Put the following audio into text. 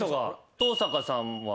登坂さんは。